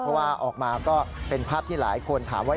เพราะว่าออกมาก็เป็นภาพที่หลายคนถามว่า